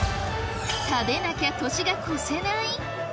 食べなきゃ年が越せない？